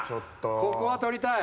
ここは取りたい。